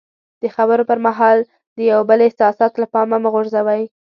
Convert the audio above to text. د خبرو پر مهال د یو بل احساسات له پامه مه غورځوئ.